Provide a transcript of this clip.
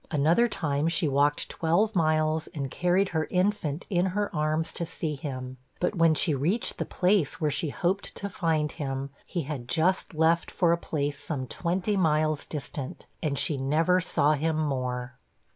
Another time she walked twelve miles, and carried her infant in her arms to see him, but when she reached the place where she hoped to find him, he had just left for a place some twenty miles distant, and she never saw him more.